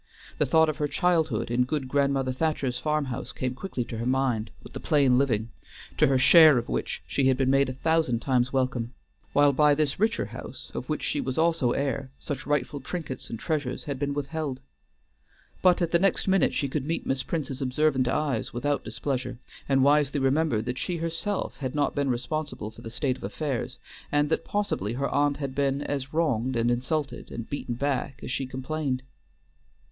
The thought of her childhood in good grandmother Thacher's farm house came quickly to her mind, with the plain living, to her share of which she had been made a thousand times welcome; while by this richer house, of which she was also heir, such rightful trinkets and treasures had been withheld. But at the next minute she could meet Miss Prince's observant eyes without displeasure, and wisely remembered that she herself had not been responsible for the state of affairs, and that possibly her aunt had been as wronged and insulted and beaten back as she complained.